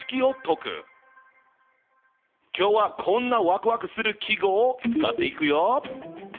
今日はこんなわくわくする記号を使っていくよ。